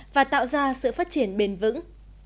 và tạo ra sự phát triển bền vững